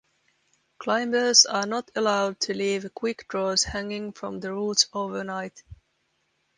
Climbers are not allowed to leave quick-draws hanging from the routes overnight.